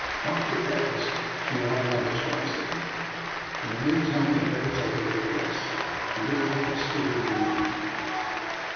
" After breakfast we will have another try," said Nikola. " In the meantime we had better take a little rest. You look. as if you stood in need of it."